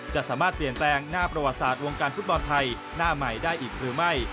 จะสามารถเปลี่ยนแปลงหน้าประวัติศาสตร์วงการฟุตบอลไทยหน้าใหม่ได้อีกหรือไม่